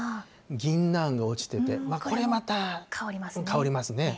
ギンナンが落ちてて、これまた香りますね。